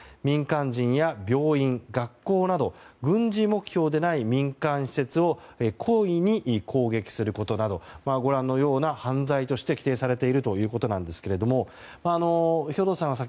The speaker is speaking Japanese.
民間人や病院、学校など軍事目標でない民間施設を故意に攻撃することなどがご覧のような犯罪として規定されているということですが兵頭さん